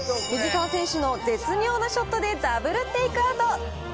藤澤選手の絶妙なショットでダブルテイクアウト。